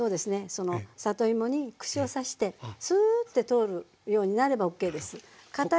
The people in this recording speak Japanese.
その里芋に串を刺してスーって通るようになればＯＫです。